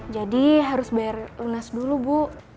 jadi harus bayar lunas dulu bu